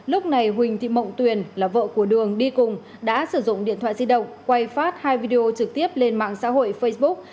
lúc này huỳnh thị mộng tuyền là vợ của đường đi cùng đã sử dụng điện thoại di động quay phát hai video trực tiếp lên mạng xã hội facebook